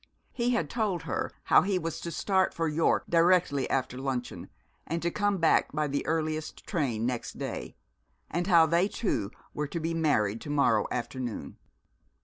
He had told her how he was to start for York directly after luncheon, and to come back by the earliest train next day, and how they two were to be married to morrow afternoon.